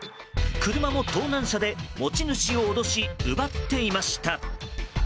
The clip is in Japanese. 車も盗難車で持ち主を脅し、奪っていました。